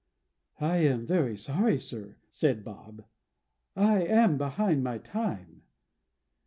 "I am very sorry, sir," said Bob. "I am behind my time."